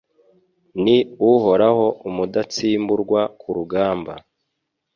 ni Uhoraho Umudatsimburwa ku rugamba